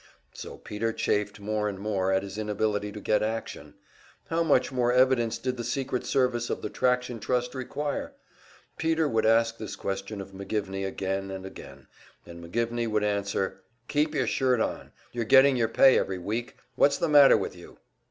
So Peter chafed more and more at his inability to get action. How much more evidence did the secret service of the Traction Trust require? Peter would ask this question of McGivney again and again, and McGivney would answer: "Keep your shirt on. You're getting your pay every week. What's the matter with you?"